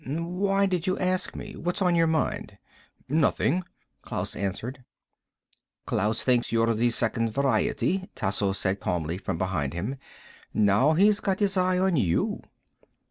"Why did you ask me? What's on your mind?" "Nothing," Klaus answered. "Klaus thinks you're the Second Variety," Tasso said calmly, from behind them. "Now he's got his eye on you."